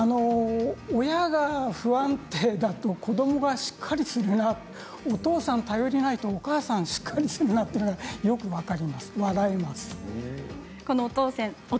親が不安定だと子どもがしっかりするなとお父さん頼りないとお母さんがしっかりするなというのがよく分かります。